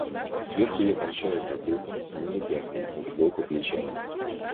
Сверху я кончаюсь затылком, снизу пятками, сбоку плечами.